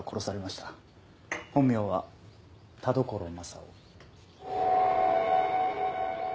本名は田所柾雄。